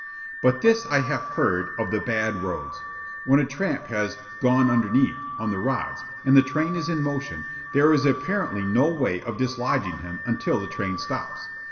But this I have heard of the "bad" roads. When a tramp has "gone underneath," on the rods, and the train is in motion, there is apparently no way of dislodging him until the train stops.